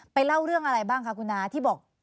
เล่าเรื่องอะไรบ้างคะคุณน้าที่บอก